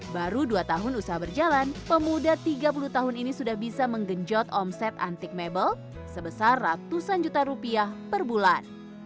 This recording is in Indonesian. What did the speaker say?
baru dua tahun usaha berjalan pemuda tiga puluh tahun ini sudah bisa menggenjot omset antik mebel sebesar ratusan juta rupiah per bulan